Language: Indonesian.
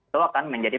itu akan menjadi